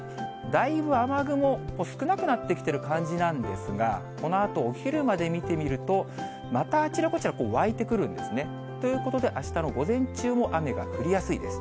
だいぶ雨雲、少なくなってきてる感じなんですが、このあとお昼まで見てみると、またあちらこちら、湧いてくるんですね。ということで、あしたの午前中も雨が降りやすいです。